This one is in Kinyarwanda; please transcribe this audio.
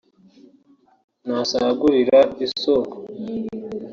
nta sagurira isoko